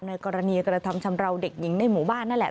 ในกรณีกระทำชำราวเด็กหญิงในหมู่บ้านนั่นแหละ